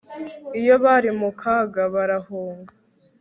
Iyo bari mu kaga barahunga